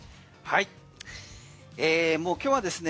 今日はですね